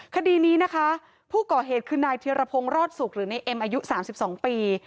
คดีนี้นะคะผู้ก่อเหตุคือนายเทียรพงศ์รอดสุกหรือในเอ็มอายุ๓๒ปี